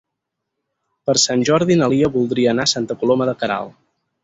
Per Sant Jordi na Lia voldria anar a Santa Coloma de Queralt.